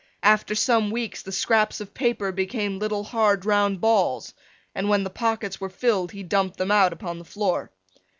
After some weeks the scraps of paper became little hard round balls, and when the pockets were filled he dumped them out upon the floor.